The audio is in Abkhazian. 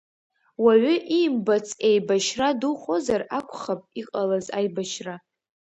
Уаҩы иимбац еибашьра духозар акәхап, иҟалаз аибашьра.